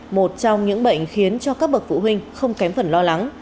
một trong những bệnh khiến cho các bậc phụ huynh không kém phần lo lắng